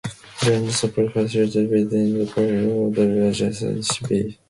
There are no support facilities within the park or on the adjacent city beach.